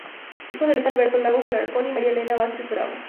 Hijo de Luis Alberto Lagos Alarcón y María Elena Vásquez Bravo.